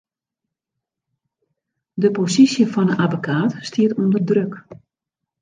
De posysje fan 'e abbekaat stiet ûnder druk.